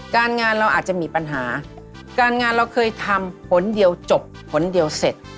การงานเราเคยทำผลเดียวจบผลเดียวเสร็จ